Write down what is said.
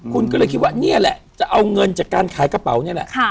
คุณก็เลยคิดว่านี่แหละจะเอาเงินจากการขายกระเป๋านี่แหละ